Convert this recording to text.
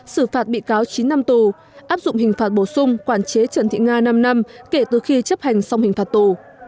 xử phạt bị cáo chín năm tù áp dụng hình phạt bổ sung quản chế trần thị nga năm năm kể từ khi chấp hành xong hình phạt tù